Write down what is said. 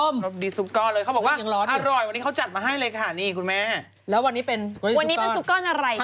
สวัสดีครับแว่นแป๊บนึงมาแล้วค่ะ